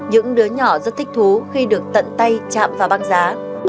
những đứa nhỏ rất thích thú khi được tận tay chạm vào băng giá